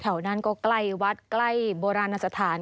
แถวนั้นก็ใกล้วัดใกล้โบราณสถาน